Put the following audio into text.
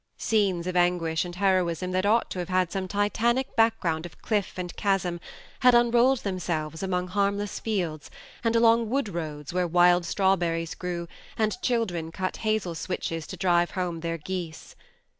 Scenes of anguish and heroism that ought to have had some Titanic background of cliff and chasm had unrolled themselves among harm less fields, and along wood roads where wild strawberries grew and children cut hazel switches to drive home their geese.